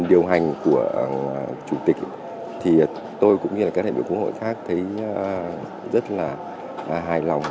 điều hành của chủ tịch thì tôi cũng như các lĩnh vực của quốc hội khác thấy rất là hài lòng